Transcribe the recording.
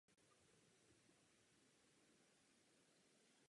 Zpoždění je nutno neúprosně analyzovat a vyšetřit.